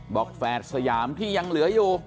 แฝดสยามที่ยังเหลืออยู่